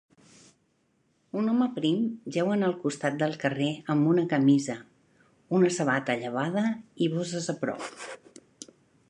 Un home prim jeu en el costat del carrer amb una camisa, una sabata llevada i bosses a prop